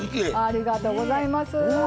ありがとうございます。